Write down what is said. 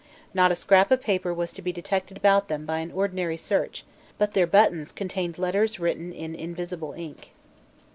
Not a scrap of paper was to be detected about them by an ordinary search: but their buttons contained letters written in invisible ink.